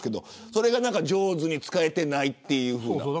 それを上手に使えていないというような。